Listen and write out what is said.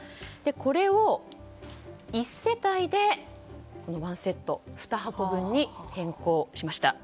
これを１世帯で１セット２箱分に変更しました。